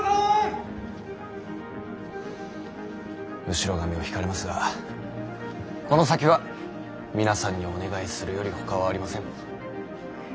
後ろ髪を引かれますがこの先は皆さんにお願いするよりほかはありませぬ。